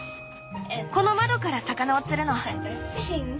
この窓から魚を釣るの。